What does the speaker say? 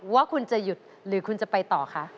ว่าคุณจะหยุดหรือคุณจะไปต่อคะ